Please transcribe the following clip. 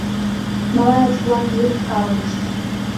Малаец-влак йыр авырышт.